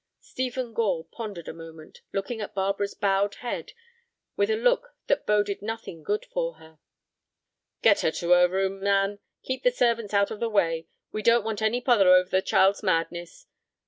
Stephen Gore pondered a moment, looking at Barbara's bowed head with a look that boded nothing good for her. "Get her to her room, Nan. Keep the servants out of the way. We don't want any pother over the child's madness.